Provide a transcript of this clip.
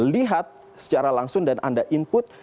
lihat secara langsung dan anda input